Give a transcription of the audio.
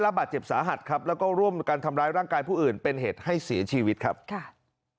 รับประราบธรรมเขาจริงนะฮะครับครับยอมรับ